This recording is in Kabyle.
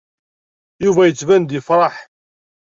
Yuba yettban-d yefṛeḥ.